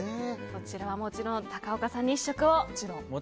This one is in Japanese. そちらはもちろん高岡さんに試食を。